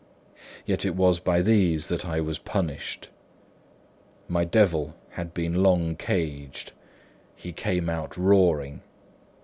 Yet it was by these that I was punished. My devil had been long caged, he came out roaring.